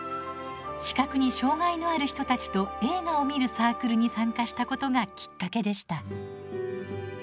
視覚に障がいのある人たちと映画を観るサークルに参加したことがきっかけでした。